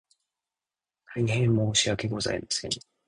大変申し訳ございません